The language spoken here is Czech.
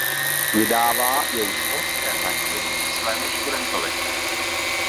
Vydává jej školské zařízení svému studentovi.